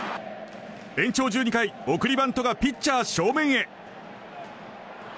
延長１２回、送りバントがピッチャー正面へ。